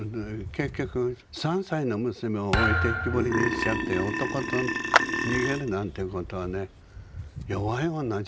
結局３歳の娘を置いてきぼりにしちゃって男と逃げるなんてことはね弱い女じゃできませんよ。